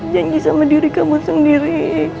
janji sama diri kamu sendiri